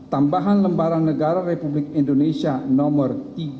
tambahan lembaran negara republik indonesia nomor tiga ribu delapan ratus delapan puluh enam